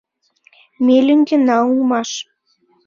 Ме лӱҥгена улмаш.